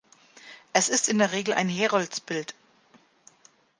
Es ist in der Regel ein Heroldsbild.